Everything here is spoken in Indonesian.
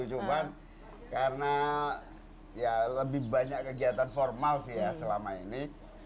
cuma karena ya lebih banyak kegiatan formal sih ya selama ini